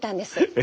え？